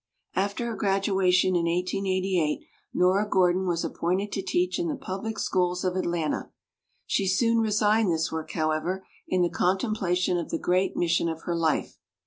After her graduation in 1888 Xora Gor don was appointed to teach in the public schools of Atlanta. She soon resigned this work, however, in the contemplation of the great mission of her life.